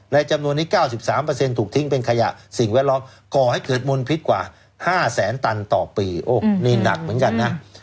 ในจำนวนนี้เก้าสิบสามเปอร์เซ็นต์ถูกทิ้งเป็นขยะสิ่งแวดลองก่อให้เกิดมนต์พิษกว่าห้าแสนตันต่อปีโอ้นี่หนักเหมือนกันนะ